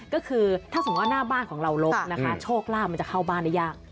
ก็คือถ้าสมมุติว่าหน้าบ้านของเราลบนะคะโชคลาภมันจะเข้าบ้านได้ยาก